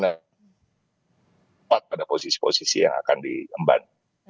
dan tempat pada posisi posisi yang akan diemban